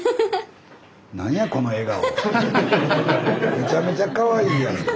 めちゃめちゃかわいいやんか。